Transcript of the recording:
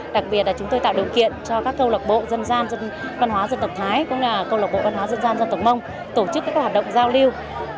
đặc biệt là chúng tôi tạo điều kiện cho các câu lạc bộ dân gian dân văn hóa dân tộc thái cũng là câu lạc bộ văn hóa dân gian dân tộc mông tổ chức các hoạt động giao lưu